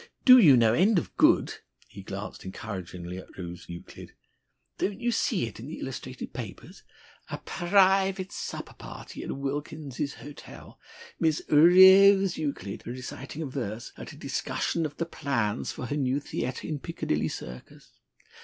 Do you no end of good." He glanced encouragingly at Rose Euclid. "Don't you see it in the illustrated papers? 'A prayvate supper party at Wilkins's Hotel. Miss Ra ose Euclid reciting verse at a discussion of the plans for her new theatre in Piccadilly Circus.